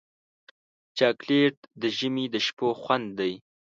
چاکلېټ د ژمي د شپو خوند دی.